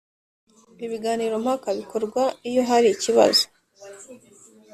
ibiganiro mpaka bikorwa iyo hari ikibazo